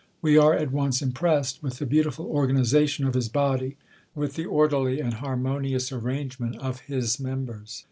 We are at once impressed with the beautiful organization of his body, with the orderly and harmonious arrangement of his members.